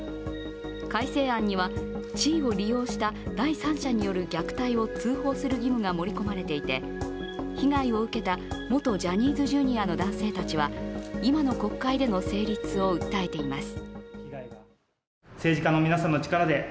改正案には、地位を利用した第三者による虐待を通報する義務が盛り込まれていて、被害を受けた元ジャニーズＪｒ．の男性たちは今の国会での成立を訴えています。